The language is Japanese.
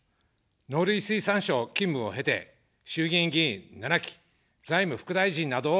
農林水産省勤務を経て、衆議院議員７期、財務副大臣などを務めました。